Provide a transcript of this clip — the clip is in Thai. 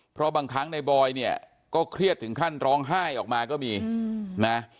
เพราะบางครั้งในบอยเนี่ยก็เครียดถึงขั้นร้องไห้ออกมาก็มีนะ